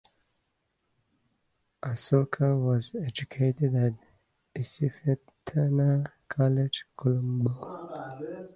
Asoka was educated at Isipathana College, Colombo.